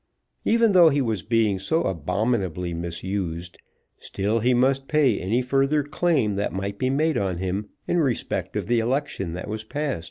Even though he was being so abominably misused, still he must pay any further claim that might be made on him in respect of the election that was past.